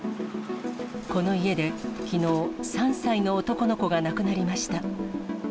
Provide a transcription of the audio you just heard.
この家で、きのう、３歳の男の子が亡くなりました。